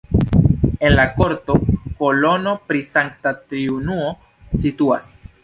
En la korto kolono pri Sankta Triunuo situas.